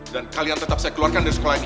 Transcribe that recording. dan kalian tetap saya keluarkan dari sekolah ini